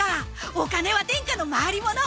お金は天下の回りもの！